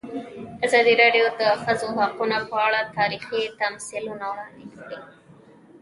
ازادي راډیو د د ښځو حقونه په اړه تاریخي تمثیلونه وړاندې کړي.